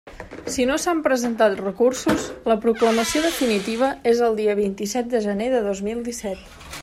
Si no s'han presentat recursos, la proclamació definitiva és el dia vint-i-set de gener de dos mil disset.